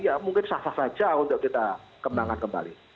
ya mungkin sah sah saja untuk kita kembangkan kembali